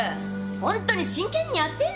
ホントに真剣にやってんの？